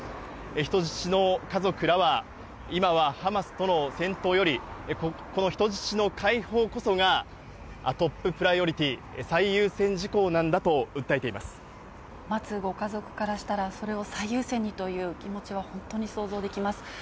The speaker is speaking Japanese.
人質の家族らは、今はハマスとの戦闘より、この人質の解放こそがトッププライオリティー、待つご家族からしたら、それを最優先にという気持ちは本当に想像できます。